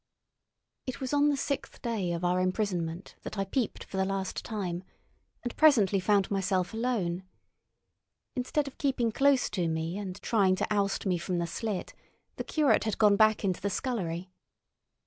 It was on the sixth day of our imprisonment that I peeped for the last time, and presently found myself alone. Instead of keeping close to me and trying to oust me from the slit, the curate had gone back into the scullery.